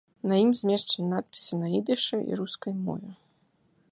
На ім змешчаны надпісы на ідышы і рускай мове.